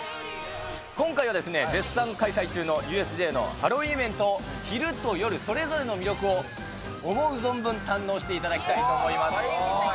今回は絶賛開催中のＵＳＪのハロウィーンイベントを昼と夜、それぞれの魅力を、思う存分堪能していただきたいと思います。